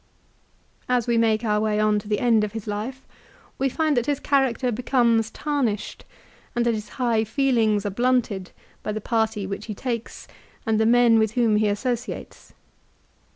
As we make our way on to the end of his life, we find that his character becomes tarnished and that his high feelings are blunted by the party which he takes and the men with whom he associates.